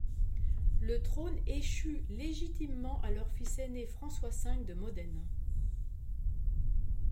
Le trône échut légitimement à leur fils aîné François V de Modène.